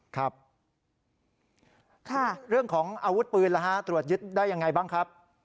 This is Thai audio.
ครับเรื่องของอาวุธปืนตรวจยึดได้ยังไงบ้างครับ